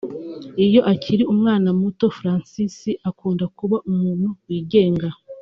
iyo akiri umwana muto Francis akunda kuba umuntu wigenga